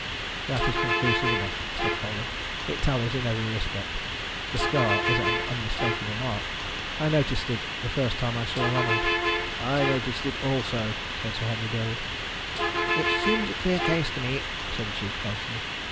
"That is conclusive enough," said Colwyn. "It tallies in every respect. The scar is an unmistakable mark. I noticed it the first time I saw Ronald." "I noticed it also," said Sir Henry Durwood. "It seems a clear case to me," said the chief constable.